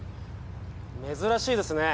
珍しいですね